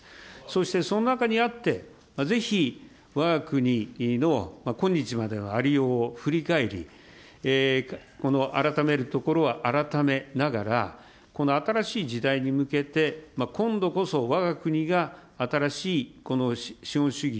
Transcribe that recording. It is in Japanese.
そうしてその中にあって、ぜひわが国の今日までのありようを振り返り、この改めるところは改めながら、この新しい時代に向けて今度こそわが国が新しいこの資本主義、